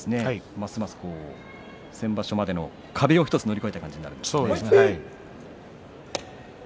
ますます先場所までの壁を１つ乗り越えた感じがしますね。